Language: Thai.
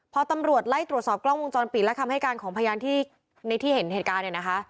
พอตำรวจไล่ตรวจสอบกล้องมุมจรปิดและคำให้การของพยานที่เห็นเหตุการณ์